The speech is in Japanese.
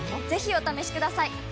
ぜひお試しください！